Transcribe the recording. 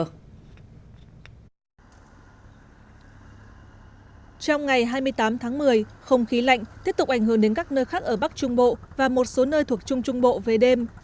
trong ngày hai mươi tám tháng một mươi không khí lạnh tiếp tục ảnh hưởng đến các nơi khác ở bắc trung bộ và một số nơi thuộc trung trung bộ về đêm